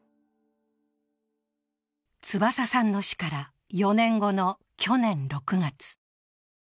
翼さんの死から４年後の去年６月。